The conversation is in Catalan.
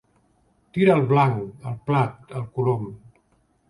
Tir al blanc, al plat, al colom.